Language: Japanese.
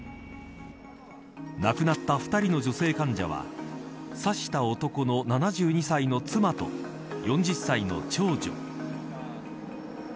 亡くなった２人の女性患者は刺した男の７２歳の妻と４０歳の長女。